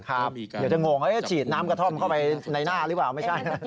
ครับเดี๋ยวจะงงเฉียดน้ำกระท่อมเข้าไปในหน้าหรือเปล่า